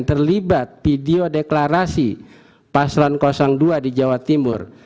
terlibat video deklarasi paslon dua di jawa timur